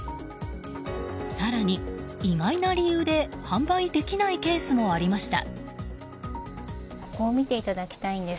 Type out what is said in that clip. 更に、意外な理由で販売できないケースもありました。